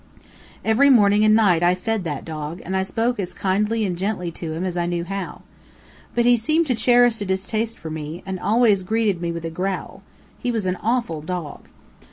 Every morning and night I fed that dog, and I spoke as kindly and gently to him as I knew how. But he seemed to cherish a distaste for me, and always greeted me with a growl. He was an awful dog.